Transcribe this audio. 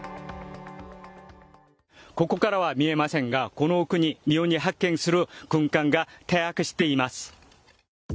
ここからは見えませんがこの奥に日本に派遣する軍艦が停泊しています。